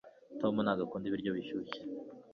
tom ntabwo akunda ibiryo bishyushye